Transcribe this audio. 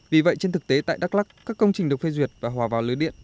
vì vậy trên thực tế tại đắk lắc các công trình được phê duyệt và hòa vào lưới điện